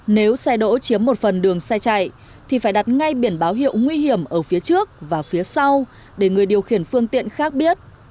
nếu xe đỗ chiếm một phần đường xe chạy thì phải đặt ngay biển báo hiệu nguy hiểm ở phía trước và phía sau để người điều khiển phương tiện khác biết